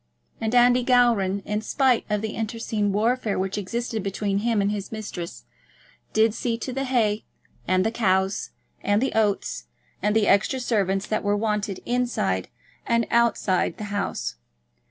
And Andy Gowran, in spite of the internecine warfare which existed between him and his mistress, did see to the hay, and the cows, and the oats, and the extra servants that were wanted both inside and outside the house.